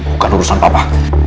bukan urusan papa